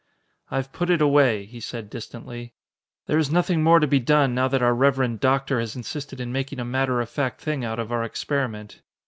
"I've put it away," he said distantly. "There is nothing more to be done, now that our reverend doctor has insisted in making a matter of fact thing out of our experiment.